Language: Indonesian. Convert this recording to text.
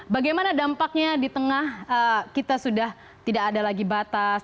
bagaimana dampaknya di tengah kita sudah tidak ada lagi batas